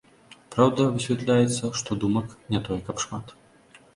Праўда, высвятляецца, што думак не тое каб шмат.